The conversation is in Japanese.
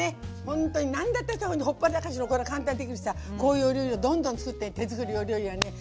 ほんとに何だってほっぽらかしの簡単にできるしさこういうお料理をどんどん作って手作りの料理はね